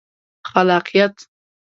خلاقیت